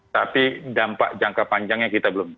tapi dampak jangka panjangnya kita belum